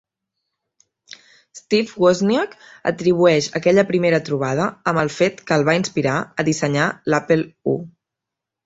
Steve Wozniak atribueix aquella primera trobada amb el fet que el va inspirar a dissenyar l'Apple I.